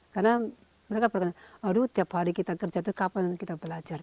karena mereka berkata aduh tiap hari kita kerja itu kapan kita belajar